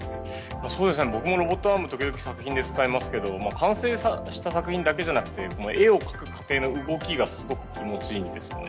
僕もロボットアーム時々、作品で使いますけど完成した作品だけじゃなくて絵を描く過程の動きがすごく気持ちいいんですよね。